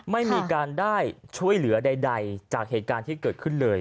ไม่มีการได้ช่วยเหลือใดจากเหตุการณ์ที่เกิดขึ้นเลย